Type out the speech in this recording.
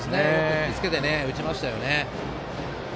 引きつけて打ちましたね。